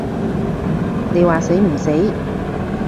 你話死唔死？